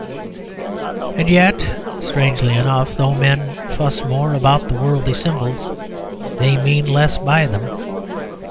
And yet (strangely enough) though men fuss more about the worldly symbols, they mean less by them.